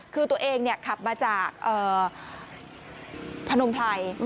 คือตัวเองขับมาจากพนมไพร